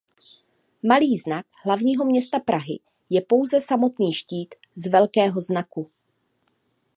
Malý znak hlavního města Prahy je pouze samotný štít z Velkého znaku.